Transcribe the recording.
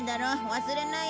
忘れなよ。